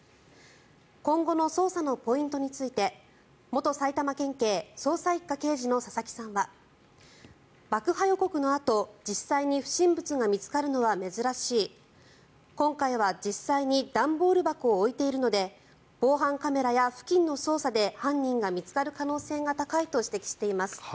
今後の捜査のポイントについて元埼玉県警捜査１課刑事の佐々木さんは爆破予告のあと実際に不審物が見つかるのは珍しい今回は実際に段ボール箱を置いているので防犯カメラや付近の捜査で犯人が見つかる可能性が高いと指摘しています。